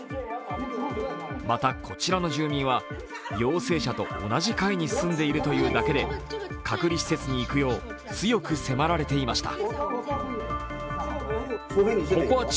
またこちらの住民は陽性者と同じ階に住んでいるというだけで隔離施設に行くよう強く迫れていました。